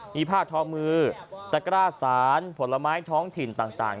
มีผ้าทอมือตะกร้าสารผลไม้ท้องถิ่นต่าง